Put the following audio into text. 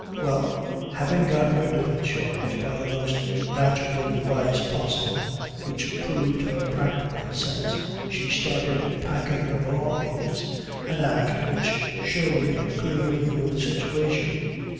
Well, having got rid of her charge by the most natural device possible, which proved her practical sense, she started packing her belongings, an act which showed her clear view of the situation.